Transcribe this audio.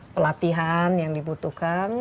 pelatihan yang dibutuhkan